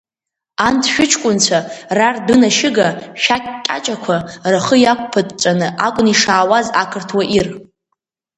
Анҭ шәыҷкәынцәа рардәынашьыга шәақь кьачақәа рхы иақәԥыҵәҵәаны акәын ишаауаз ақырҭуа ир!